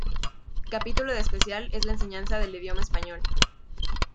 Capítulo de especial es la enseñanza del idioma español.